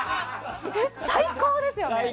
最高ですよね。